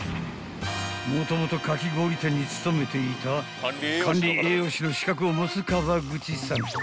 ［もともとかき氷店に勤めていた管理栄養士の資格を持つ川口さん］